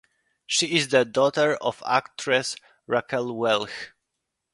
She is the daughter of actress Raquel Welch.